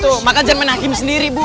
tuh maka jangan main hakim sendiri bu